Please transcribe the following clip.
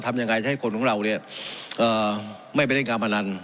ทำยังไงจะให้คนของเราด้วยอ่าเอ่อไม่ไปเรียนการพนัน